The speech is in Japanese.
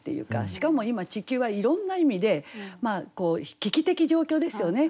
しかも今地球はいろんな意味で危機的状況ですよね。